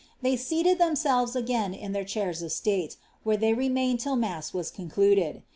They seated themselves again k their chairs of state, where they remained till mass was concluded.